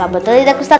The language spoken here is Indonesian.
betul tidak ustadz